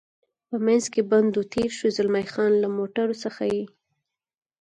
په منځ کې بند و، تېر شو، زلمی خان: له موټرو څخه یې.